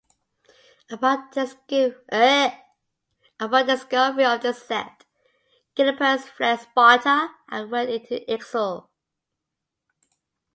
Upon discovery of this theft, Gylippus fled Sparta and went into exile.